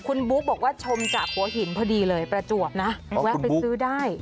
คุณบุ๊กบอกว่าชมจากหัวหินพอดีเลยประจวบนะแวะไปซื้อได้